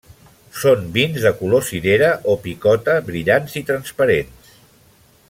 Són vins de color cirera o picota, brillants i transparents.